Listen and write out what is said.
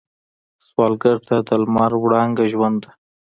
سوالګر ته د لمر وړانګه ژوند ده